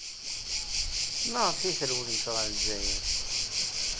Maɣef ay trewlemt ɣer Lezzayer?